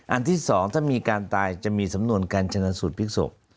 ที่๒ถ้ามีการตายจะมีสำนวนการชนะสูตรพลิกศพ